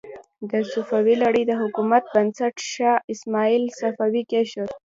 د صفوي لړۍ د حکومت بنسټ شاه اسماعیل صفوي کېښود.